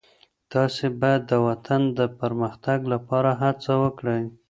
تاسو باید د وطن د پرمختګ لپاره هڅه وکړئ.